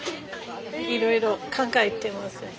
いろいろ考えてますね。